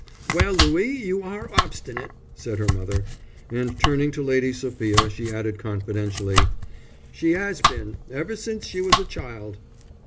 "Well, Louie, you are obstinate," said her mother; and turning to Lady Sophia she added confidentially: "She 'as been ever since she was a child."